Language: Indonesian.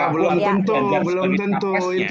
belum tentu belum tentu